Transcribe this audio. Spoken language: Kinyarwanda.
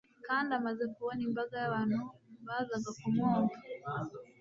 kandi amaze kubona imbaga y'abantu bazaga kumwumva,